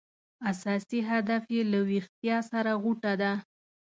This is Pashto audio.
اساس هدف یې له ویښتیا سره غوټه ده.